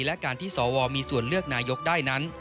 และการที่สวมีส่วนเลือกนายกได้นั้น